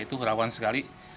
itu rawan sekali